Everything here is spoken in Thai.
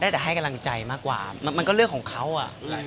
แต่ให้กำลังใจมากกว่ามันก็เรื่องของเขาอ่ะ